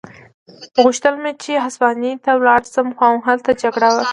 غوښتل مې چې هسپانیې ته ولاړ شم، خو همالته هم جګړه وه.